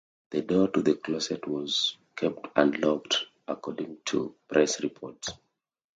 The door to the closet was kept unlocked, according to press reports.